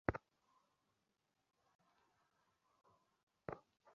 তিনি সরকার পরিচালনায় সফল হতে পারেননি।